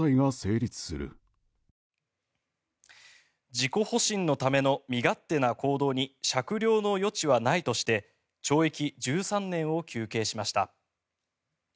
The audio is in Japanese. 自己保身のための身勝手な行動に酌量の余地はないとして懲役１３年を求刑しました。